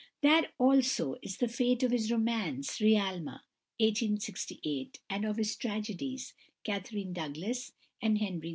That also is the fate of his romance, "Realmah" (1868) and of his tragedies, "Catherine Douglas" and "Henry II."